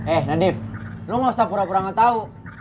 eh nadif lo gak usah pura pura gak tau